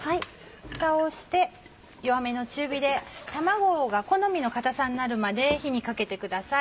ふたをして弱めの中火で卵が好みの固さになるまで火にかけてください。